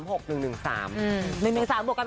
โอ๊ยบวกเลย๕